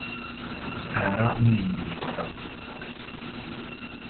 Az ára négymillió euró volt.